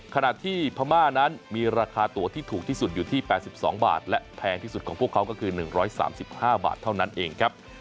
ขณะที่พม่านั้นมีราคาตัวที่ถูกที่สุดอยู่ที่๘๒บาทและแพงที่สุดของพวกเขาก็คือ๑๓๕บาทเท่านั้นเองครับ